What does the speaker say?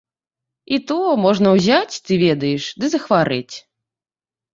І то можна узяць, ты ведаеш, ды захварэць.